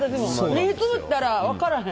目つむったら分からへん。